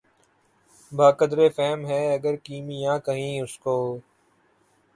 بہ قدرِ فہم ہے اگر کیمیا کہیں اُس کو